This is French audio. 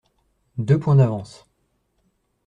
Deux points d’avance.